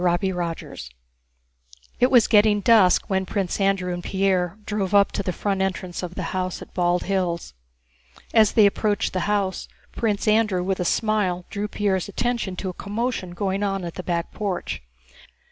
CHAPTER XIII It was getting dusk when Prince Andrew and Pierre drove up to the front entrance of the house at Bald Hills. As they approached the house, Prince Andrew with a smile drew Pierre's attention to a commotion going on at the back porch.